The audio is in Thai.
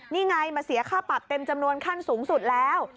นี่ไงมาเสียค่าปรับเต็มจำนวนขั้นสูงสุดแล้ว